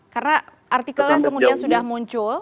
karena artikelnya kemudian sudah muncul